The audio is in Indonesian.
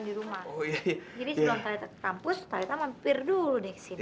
jadi sebelum talita ketampus talita mampir dulu nih ke sini